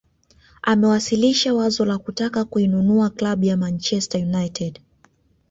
Amewasilisha wazo la kutaka kuinunua klabu ya Manchester United